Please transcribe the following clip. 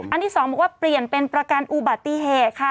ที่๒บอกว่าเปลี่ยนเป็นประกันอุบัติเหตุค่ะ